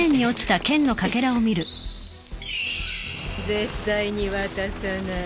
絶対に渡さない。